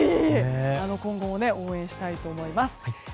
今後も応援したいと思います。